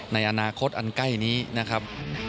ในอนาคตอันใกล้นี้นะครับ